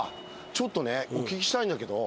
ちょっとねお聞きしたいんだけど。